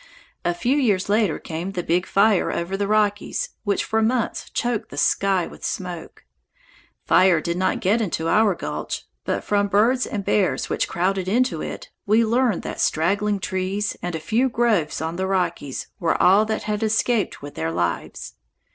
A few years later came the big fire over the Rockies, which for months choked the sky with smoke. Fire did not get into our gulch, but from birds and bears which crowded into it we learned that straggling trees and a few groves on the Rockies were all that had escaped with their lives.